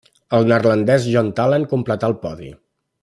El neerlandès John Talen completà el podi.